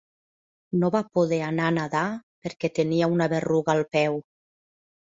No va poder anar a nadar perquè tenia una berruga al peu.